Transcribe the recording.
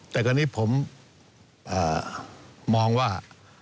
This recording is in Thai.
แต่ตอนนี้ผมมองว่า